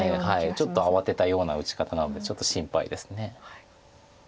ちょっと慌てたような打ち方なのでちょっと心配です。